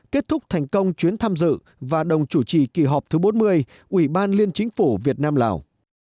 kết thúc thành công chuyến tham dự và đồng chủ trì kỳ họp thứ bốn mươi ủy ban liên chính phủ việt nam lào